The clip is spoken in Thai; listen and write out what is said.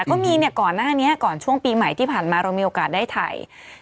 ก็มีเนี่ยก่อนหน้านี้ก่อนช่วงปีใหม่ที่ผ่านมาเรามีโอกาสได้ถ่าย